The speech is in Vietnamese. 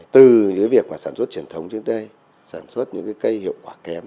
từ những cái việc mà sản xuất truyền thống trước đây sản xuất những cái cây hiệu quả kém